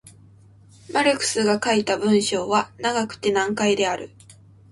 マルクスが書いた文章は長くて難解である。